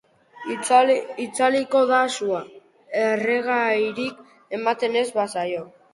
Itzaliko da sua, erregairik ematen ez bazaio.